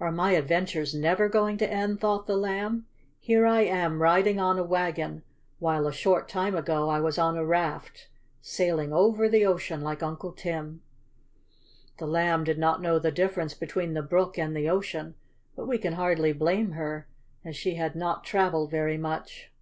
"Are my adventures never going to end?" thought the Lamb. "Here I am riding on a wagon, while, a short time ago, I was on a raft, sailing over the ocean like Uncle Tim." The Lamb did not know the difference between the brook and the ocean, but we can hardly blame her, as she had not traveled very much.